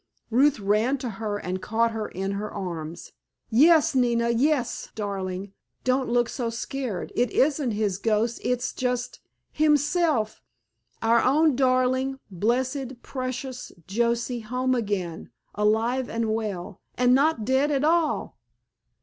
_" Ruth ran to her and caught her in her arms. "Yes, Nina, yes, darling, don't look so scared. It isn't his ghost, it's just himself, our own darling, blessed, precious Joesy home again, alive and well, and not dead at all!"